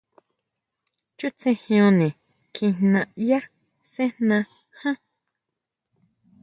Chútsejeon ne kjiná ʼya sejná ján.